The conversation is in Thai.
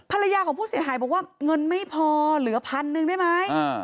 ภรรยาของผู้เสียหายบอกว่าเงินไม่พอเหลือพันหนึ่งได้ไหม